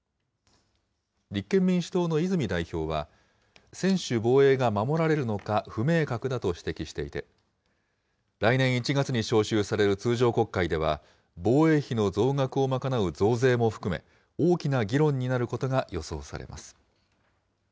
立憲民主党の泉代表は、専守防衛が守られるのか不明確だと指摘していて、来年１月に召集される通常国会では、防衛費の増額を賄う増税も含め、大きな議論になることが予想されます。